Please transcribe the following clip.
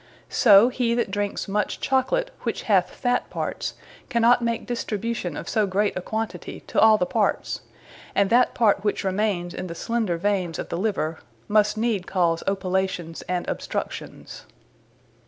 So he that drinkes much Chocolate, which hath fat parts, cannot make distribution of so great a quantity to all the parts; and that part which remaines in the slender veines of the Liver, must needs cause Opilations, and Obstructions.